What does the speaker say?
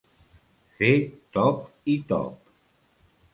Fer top i top.